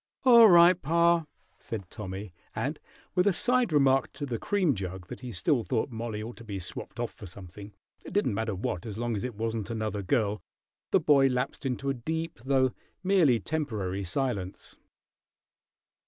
"All right, pa," said Tommy; and with a side remark to the cream jug, that he still thought Mollie ought to be swapped off for something, it didn't matter what as long as it wasn't another girl, the boy lapsed into a deep though merely temporary silence.